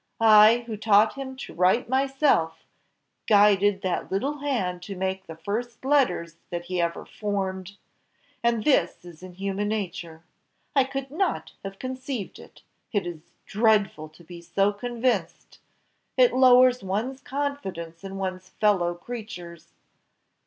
I, who taught him to write myself guided that little hand to make the first letters that he ever formed! And this is in human nature! I could not have conceived it it is dreadful to be so convinced, it lowers one's confidence in one's fellow creatures.